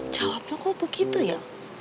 jawabnya kok begitu ya